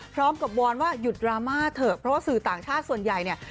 วอนว่าหยุดดราม่าเถอะเพราะว่าสื่อต่างชาติส่วนใหญ่เนี่ย